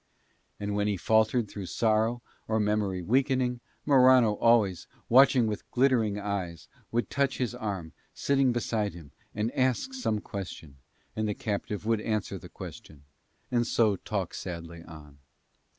And when he faltered through sorrow, or memory weakening, Morano always, watching with glittering eyes, would touch his arm, sitting beside him, and ask some question, and the captive would answer the question and so talk sadly on.